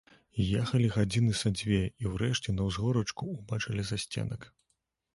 Ехалі гадзіны са дзве, і ўрэшце на ўзгорачку ўбачылі засценак.